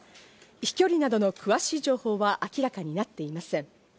飛距離などの詳しい情報は明らかになっていません。